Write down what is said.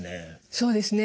そうですね